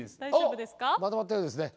まとまったようですね。